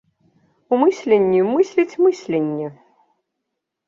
У мысленні мысліць мысленне.